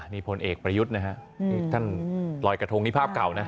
นี่พลเอกประยุทธ์นะฮะนี่ท่านลอยกระทงนี่ภาพเก่านะ